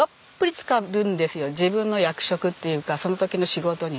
自分の役職っていうかその時の仕事にね。